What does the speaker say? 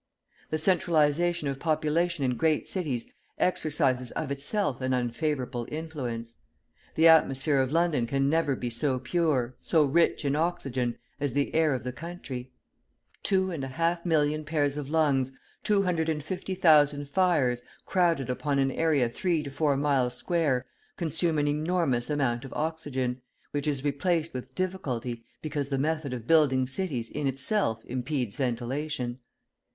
The centralisation of population in great cities exercises of itself an unfavourable influence; the atmosphere of London can never be so pure, so rich in oxygen, as the air of the country; two and a half million pairs of lungs, two hundred and fifty thousand fires, crowded upon an area three to four miles square, consume an enormous amount of oxygen, which is replaced with difficulty, because the method of building cities in itself impedes ventilation.